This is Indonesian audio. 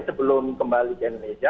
sebelum kembali ke indonesia